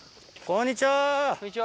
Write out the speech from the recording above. こんにちは。